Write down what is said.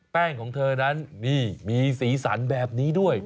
ของเธอนั้นนี่มีสีสันแบบนี้ด้วย